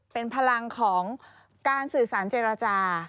เป็นพลังของการสื่อสารเจรจา